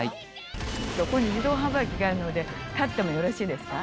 そこに自動販売機があるので買ってもよろしいですか？